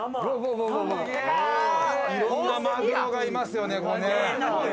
いろんなマグロがいますよね。